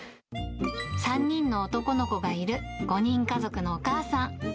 ３人の男の子がいる５人家族のお母さん。